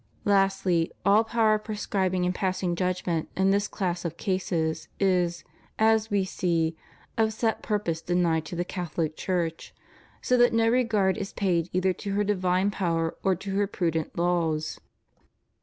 Lastly, all power of prescribing and passing judgment in this class of cases is, as we see, of set purpose denied to the Catholic Church, so that no regard is paid either to her divine power or to her prudent laws.